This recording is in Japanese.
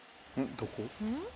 どこ？